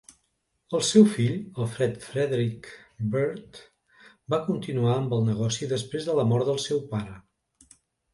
El seu fill Alfred Frederick Bird va continuar amb el negoci després de la mort del seu pare.